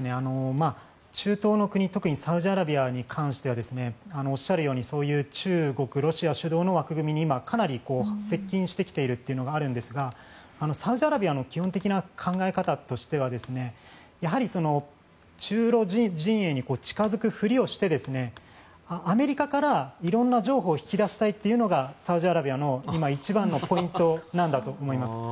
中東の国特にサウジアラビアに関してはおっしゃるようにそういう中国、ロシア主導の枠組みに今、かなり接近しているということがあるんですがサウジアラビアの基本的な考え方としては中露陣営に近付くふりをしてアメリカから色んな譲歩を引き出したいというのがサウジアラビアの今一番のポイントなんだとおもいます。